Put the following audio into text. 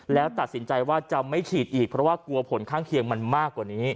แล้วตัดสินใจว่าจะไม่ฉีดอีกเพราะว่ากลัวผลข้างเคียงมันมากกว่านี้